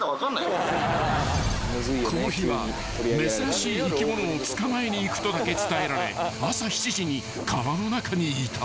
［この日は珍しい生き物を捕まえに行くとだけ伝えられ朝７時に川の中にいた］